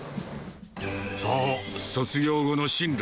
そう、卒業後の進路。